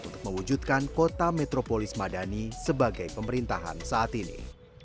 untuk mewujudkan kota metropolis madani sebagai pemerintahan saat ini